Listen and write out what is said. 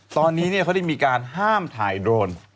ตอนนี้เขาได้มีการห้ามถ่ายโดรน